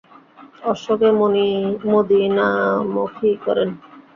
অশ্বকে মদীনামখী করেন।